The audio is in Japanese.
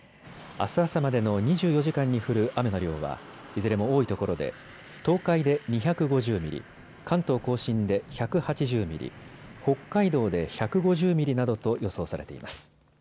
あす朝までの２４時間に降る雨の量はいずれも多いところで東海で２５０ミリ、関東甲信で１８０ミリ、北海道で１５０ミリなどと予想されています。